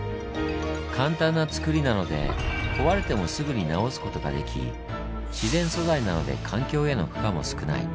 簡単なつくりなので壊れてもすぐに直すことができ自然素材なので環境への負荷も少ない。